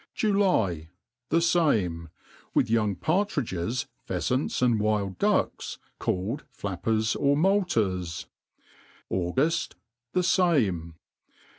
July. The fame; wit)i young partridges, pheafants, and wild ducks, called flappers or moulters. Auguft. The fame.